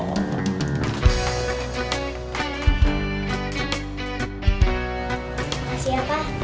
makasih ya pak